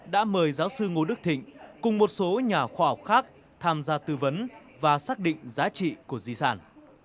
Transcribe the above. đã mời giáo sư ngô đức thịnh cùng một số nhà khoa học khác tham gia tư vấn và xác định giá trị của di sản